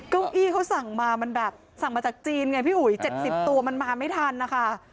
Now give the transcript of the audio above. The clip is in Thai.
เก้าอี้เขาสั่งมามันแบบสั่งมาจากจีนไงพี่อุ๋ย๗๐ตัวมันมาไม่ทันนะคะ